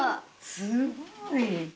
すごい。